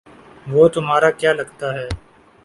وہ تمہارا کیا لگتا ہے؟